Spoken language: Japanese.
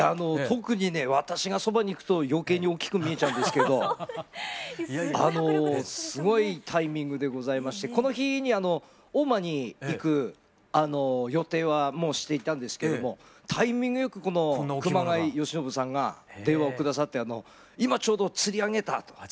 特にね私がそばに行くと余計に大きく見えちゃうんですけどすごいタイミングでございましてこの日にあの大間に行く予定はもうしていたんですけどもタイミングよくこの熊谷義宣さんが電話を下さって今ちょうど釣り上げたと。